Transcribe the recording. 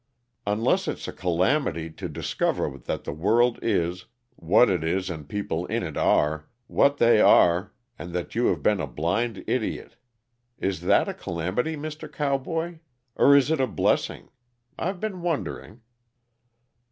"Unless it's a calamity to discover that the world is what it is, and people in it are what they are, and that you have been a blind idiot. Is that a calamity, Mr. Cowboy? Or is it a blessing? I've been wondering."